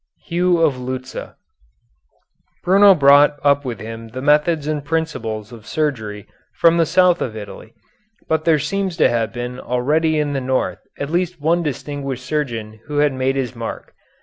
HUGH OF LUCCA Bruno brought up with him the methods and principles of surgery from the south of Italy, but there seems to have been already in the north at least one distinguished surgeon who had made his mark.